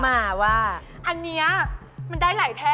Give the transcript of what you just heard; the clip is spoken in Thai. มันคืออะไรละ